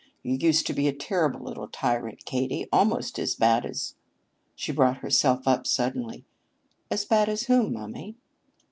You used to be a terrible little tyrant, Katie, almost as bad as " She brought herself up suddenly. "As bad as whom, mummy?"